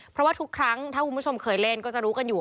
เพราะว่าทุกครั้งถ้าคุณผู้ชมเคยเล่นก็จะรู้กันอยู่